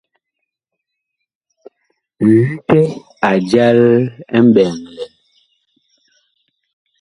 Ŋetɛ a jal mɓɛɛŋ lɛn.